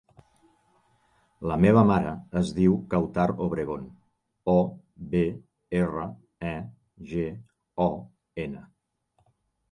La meva mare es diu Kawtar Obregon: o, be, erra, e, ge, o, ena.